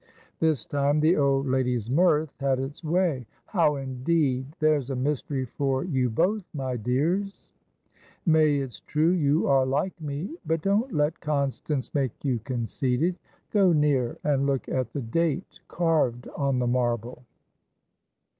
This time, the old lady's mirth had its way. "How, indeed! There's a mystery for you both, my dears! May, it's true you are like me, but don't let Constance make you conceited. Go near, and look at the date carved on the marble."